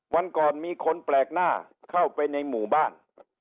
วันก่อนมีคนแปลกหน้าเข้าไปในหมู่บ้าน